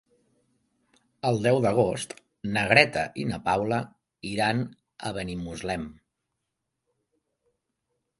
El deu d'agost na Greta i na Paula iran a Benimuslem.